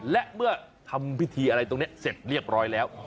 และเมื่อทำพิธีอะไรตรงนี้เสร็จเรียบร้อยแล้ว